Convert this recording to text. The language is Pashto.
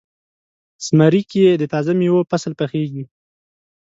زمری کې د تازه میوو فصل پخیږي.